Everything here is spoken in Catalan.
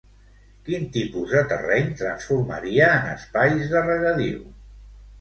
Quin tipus de terreny transformaria en espais de regadiu?